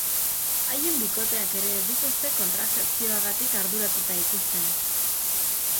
Haien bikoteak ere ez dituzte kontrazepziogatik arduratuta ikusten.